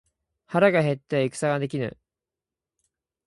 腹が減っては戦はできぬ